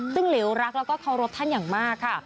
ซึ่งหลิวรักแล้วก็เคารพท่านอย่างมากค่ะ